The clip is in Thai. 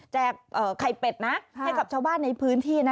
ไข่เป็ดนะให้กับชาวบ้านในพื้นที่นะ